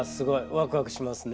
ワクワクしますね。